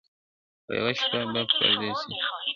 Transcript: په یوه شپه به پردي سي شته منۍ او نعمتونه!!